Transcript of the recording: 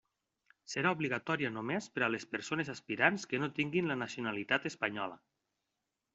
Serà obligatòria només per a les persones aspirants que no tinguin la nacionalitat espanyola.